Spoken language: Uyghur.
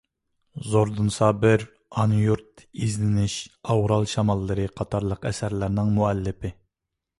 زوردۇن سابىر «ئانا يۇرت»، «ئىزدىنىش»، «ئاۋرال شاماللىرى» قاتارلىق ئەسەرلەرنىڭ مۇئەللىپى.